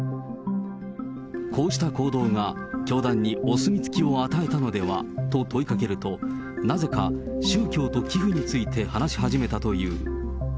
こうした行動が、教団にお墨付きを与えたのでは？と問いかけると、なぜか宗教と寄付について話し始めたという。